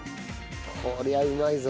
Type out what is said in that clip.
こりゃうまいぞ。